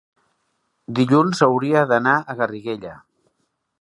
dilluns hauria d'anar a Garriguella.